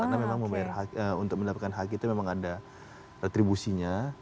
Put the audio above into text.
karena memang untuk mendaftarkan haki itu memang ada retribusinya